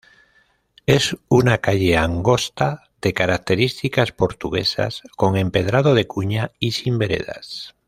Es una calle angosta de características portuguesas, con empedrado de cuña y sin veredas.